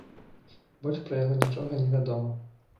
Больш пра яго нічога не вядома.